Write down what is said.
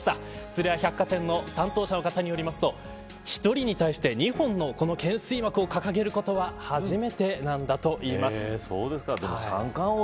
鶴屋百貨店の担当者の方によると１人に対して２本の懸垂幕を掲げることは初めてなんだといいます。